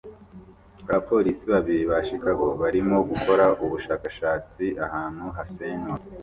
Abapolisi babiri ba Chicago barimo gukora ubushakashatsi ahantu hasenywa